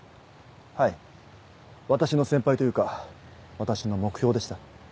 はい私の先輩というか私の目標でした。